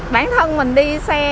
bản thân mình đi xe